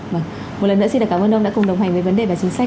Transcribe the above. và một lần nữa xin cảm ơn ông đã cùng đồng hành với vấn đề và chính sách